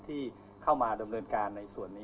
ที่เข้ามาดำเนินการในส่วนนี้